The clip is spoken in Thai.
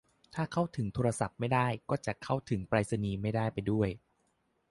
ถ้าเข้าถึงโทรศัพท์ไม่ได้ ก็จะเข้าถึงไปรษณีย์ไม่ได้ไปด้วย